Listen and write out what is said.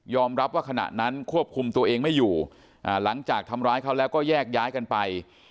รับว่าขณะนั้นควบคุมตัวเองไม่อยู่หลังจากทำร้ายเขาแล้วก็แยกย้ายกันไป